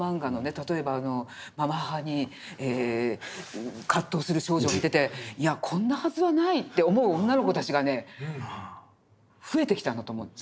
例えばまま母に葛藤する少女を見てていやこんなはずはないって思う女の子たちがね増えてきたんだと思うんです。